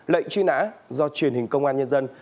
lệnh truy nã do truyền hình công an nhân dân